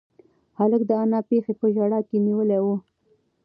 هلک د انا پښې په ژړا کې نیولې وې.